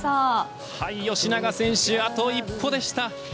吉永選手、あと一歩でした。